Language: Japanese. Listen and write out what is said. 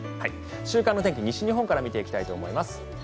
週間予報、西日本から見ていきたいと思います。